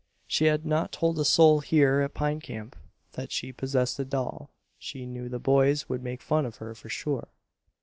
She had not told a soul here at Pine Camp that she possessed a doll; she knew the boys would make fun of her for sure.